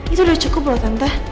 itu udah cukup loh tante